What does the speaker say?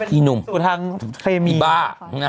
อีนุมทีมีบ้า